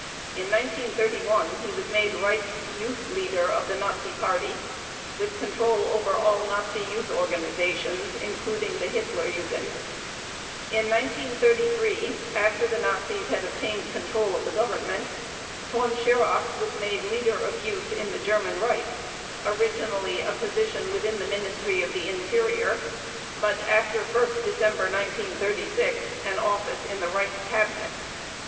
In 1931 he was made Reichs Youth Leader of the Nazi Party with control over all Nazi youth organizations, including the Hitler Jugend. In 1933, after the Nazis had obtained control of the Government, Von Schirach was made Leader of Youth in the German Reich, originally a position within the Ministry of the Interior, but, after 1 December 1936, an office in the Reich Cabinet.